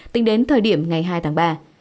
tính đến thời điểm ngày hai tháng ba